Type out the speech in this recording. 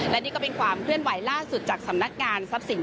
และนี่ก็เป็นความเคลื่อนไหวล่าสุดจากสำนักงานทรัพย์สิน